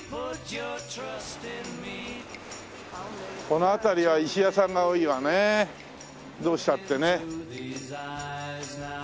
この辺りは石屋さんが多いわねえどうしたってね。